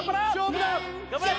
頑張れ！